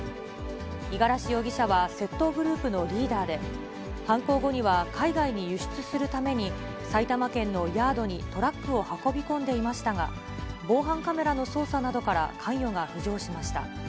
五十嵐容疑者は窃盗グループのリーダーで、犯行後には、海外に輸出するために埼玉県のヤードにトラックを運び込んでいましたが、防犯カメラの捜査などから関与が浮上しました。